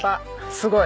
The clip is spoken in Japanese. すごい。